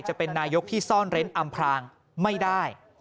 จะเป็นนายกที่ซ่อนเร้นอำพลางไม่ได้